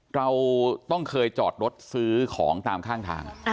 เราต้องเคยจอดรถซื้อของตามข้างทาง